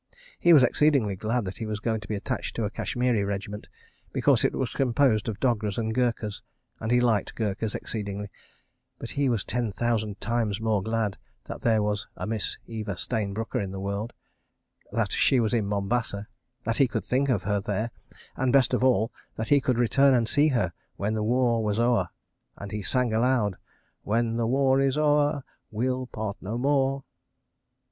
He was exceedingly glad that he was going to be attached to a Kashmiri regiment, because it was composed of Dogras and Gurkhas, and he liked Gurkhas exceedingly, but he was ten thousand times more glad that there was a Miss Eva Stayne Brooker in the world, that she was in Mombasa, that he could think of her there, and, best of all, that he could return and see her there when the war was o'er—and he sang aloud: "When the war is o'er, We'll part no more."